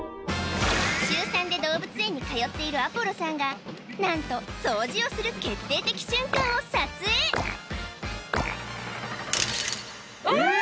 週３で動物園に通っているＡｐｏｌｌｏさんが何と掃除をする決定的瞬間を撮影えっ！？